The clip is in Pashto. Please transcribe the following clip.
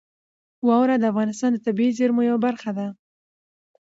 واوره د افغانستان د طبیعي زیرمو یوه برخه ده.